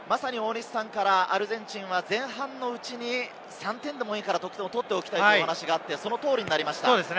アルゼンチンは前半のうちに３点でもいいから得点を取っておきたいというお話があって、その通りになりました。